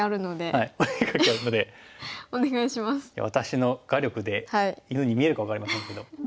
私の画力で犬に見えるか分かりませんけど。